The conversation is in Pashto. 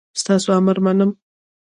ستاسو امر منم